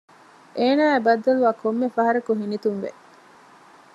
އޭނާއާއި ބައްދަލުވާ ކޮންމެ ފަހަރަކު ހިނިތުންވެ